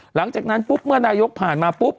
หลังจากนั้นปุ๊บเมื่อนายกผ่านมาปุ๊บ